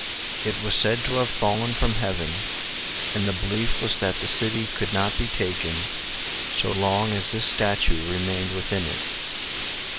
It was said to have fallen from heaven, and the belief was that the city could not be taken so long as this statue remained within it.